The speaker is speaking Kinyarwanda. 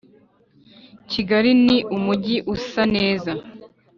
kigali ni umujyi usaneza